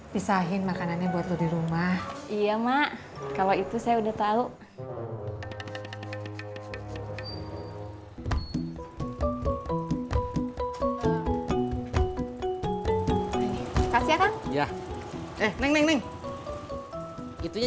pisahin makanannya sama dia